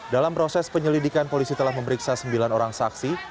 dalam proses penyelidikan polisi telah memeriksa sembilan orang saksi